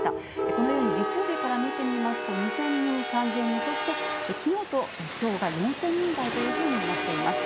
このように、月曜日から見てみますと２０００人、３０００人、そしてきのうときょうが４０００人台というふうになっています。